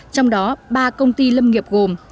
trong đó ba công ty lâm nghiệp gồm